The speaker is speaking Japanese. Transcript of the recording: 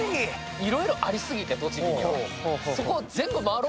いろいろありすぎて、栃木には。